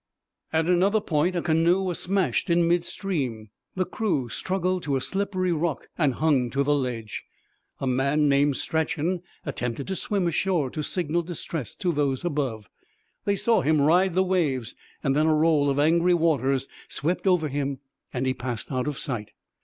At another point a canoe was smashed in midstream. The crew struggled to a slippery rock and hung to the ledge. A man named Strachan attempted to swim ashore to signal distress to those above. They saw him ride the waves. Then a roll of angry waters swept over him and he passed out of sight.